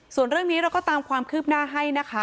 ส่วนเรื่องนี้เราก็ตามความคืบหน้าให้นะคะ